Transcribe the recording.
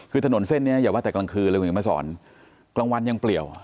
คือถนนเส้นนี้อย่าว่าแต่กลางคืนเลยคุณเห็นมาสอนกลางวันยังเปลี่ยว